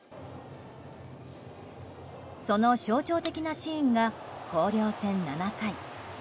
その象徴的なシーンが広陵戦、７回。